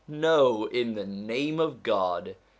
No, in the name of God